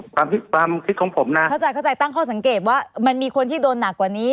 ความคิดความคิดของผมนะเข้าใจเข้าใจตั้งข้อสังเกตว่ามันมีคนที่โดนหนักกว่านี้